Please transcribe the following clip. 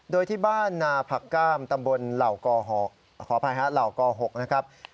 โดยที่บ้านนาผักกล้ามตำบลเหล่าก๖นะครับ